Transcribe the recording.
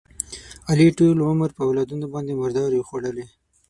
علي ټول عمر په اولادونو باندې مردارې وخوړلې.